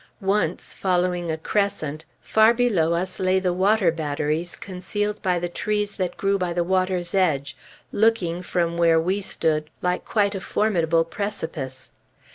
Once, following a crescent, far below us lay the water battery concealed by the trees that grew by the water's edge, looking, from where we stood, like quite a formidable precipice.